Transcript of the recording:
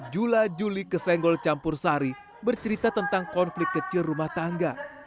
jula juli kesenggol campur sari bercerita tentang konflik kecil rumah tangga